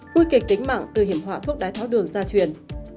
nguy kịch tính mạng từ hiểm hỏa thuốc đái tháo đường gia truyền